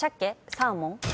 サーモン。